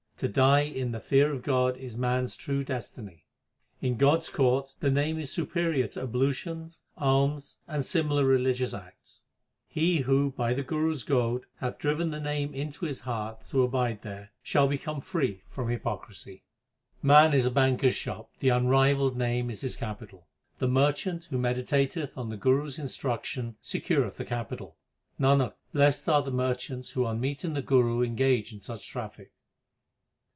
To die in the fear of God is man s true destiny. In God s court the Name is superior to ablutions, alms, and similar religious acts. He who, by the Guru s goad, hath driven the Name into his heart to abide there, shall become free from hypocrisy. Man is a banker s shop, the unrivalled Name is his capital. The merchant who meditateth on the Guru s instruction secureth the capital. Nanak, blest are the merchants who on meeting the Guru engage in such traffic.